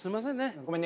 ごめんね。